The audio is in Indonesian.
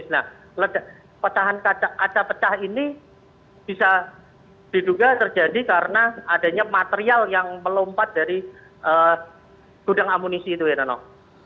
nah pecahan kaca pecah ini bisa diduga terjadi karena adanya material yang melompat dari gudang amunisi itu heranov